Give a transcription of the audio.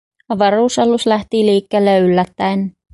Avaruusalus lähti liikkeelle yllättäen.